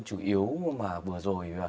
chủ yếu mà vừa rồi